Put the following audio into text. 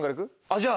じゃあ。